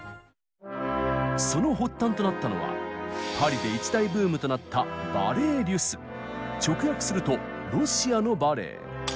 その発端となったのはパリで一大ブームとなった直訳するとロシアのバレエ。